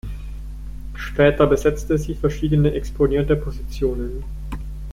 Später besetzte sie verschiedene exponierte Positionen.